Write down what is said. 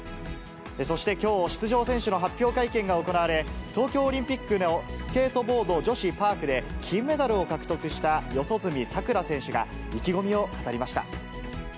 そしてきょう、出場選手の発表会見が行われ、東京オリンピックのスケートボード女子パークで金メダルを獲得した四十住さくら選手が意気込みを語りました。